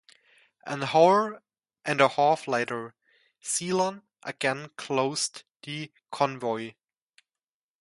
An hour and a half later, "Sealion" again closed the convoy.